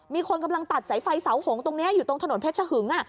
มีคนกำลังตัดสายไฟเสาหงตรงนี้อยู่ตรงถนนเพชรชะหึง